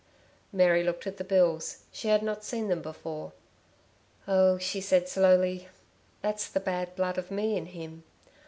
Mary looked at the bills. She had not seen them before. "Oh," she said, slowly, "that's the bad blood of me in him.